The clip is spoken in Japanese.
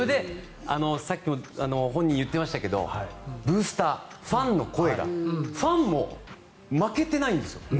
さっきも本人が言ってましたけどブースター、ファンの声がファンも負けてないんですよ。